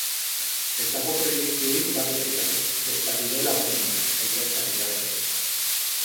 Ez dago proiekturik babesik gabe, ezta bidelagun onik, aitortzarik gabe ere.